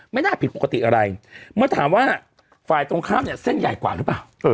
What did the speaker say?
ไม่น่าผิดปกติอะไรเมื่อถามว่าฝ่ายตรงข้ามเนี่ยเส้นใหญ่กว่าหรือเปล่า